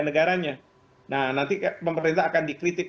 negaranya nah nanti pemerintah akan dikritik